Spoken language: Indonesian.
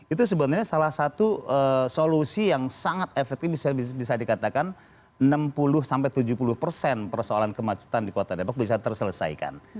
itu sebenarnya salah satu solusi yang sangat efektif bisa dikatakan enam puluh sampai tujuh puluh persen persoalan kemacetan di kota depok bisa terselesaikan